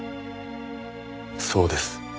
そうです。